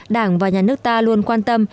đảng và nhà nước ta luôn quan tâm